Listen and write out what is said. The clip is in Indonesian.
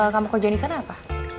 kamu kerjain di sana apa